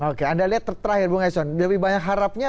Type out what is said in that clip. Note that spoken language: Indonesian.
oke anda lihat terakhir bung eson lebih banyak harapnya